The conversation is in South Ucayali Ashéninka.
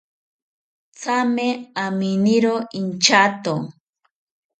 Thame aminiro inchato